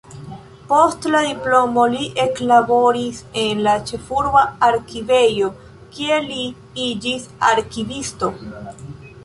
Post la diplomo li eklaboris en la ĉefurba arkivejo, kie li iĝis arkivisto.